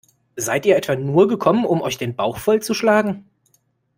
Seid ihr etwa nur gekommen, um euch den Bauch voll zu schlagen?